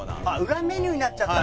裏メニューになっちゃったんだ。